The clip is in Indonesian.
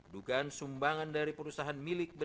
dugaan sumbangan dari perusahaan